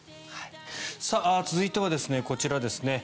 続いては、こちらですね。